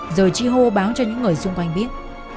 rồi chi hô báo cho những người xung quanh biết